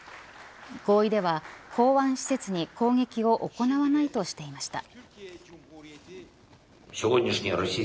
合意では港湾施設に攻撃を行わないとしていました。